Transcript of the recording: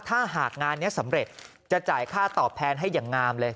ถ้าหากงานนี้สำเร็จจะจ่ายค่าตอบแทนให้อย่างงามเลย